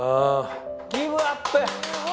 ギブアップ。